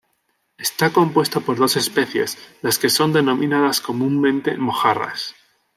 Está compuesto por dos especies, las que son denominadas comúnmente mojarras.